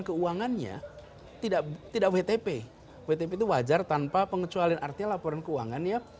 keuangannya tidak wtp wtp itu wajar tanpa pengecualian artinya laporan keuangannya